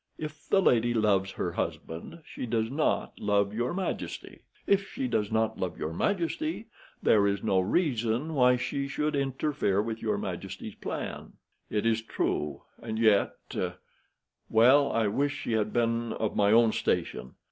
If the lady loves her husband, she does not love your majesty. If she does not love your majesty, there is no reason why she should interfere with your majesty's plan." "It is true. And yet—Well, I wish she had been of my own station.